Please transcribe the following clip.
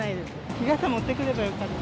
日傘持ってくればよかった。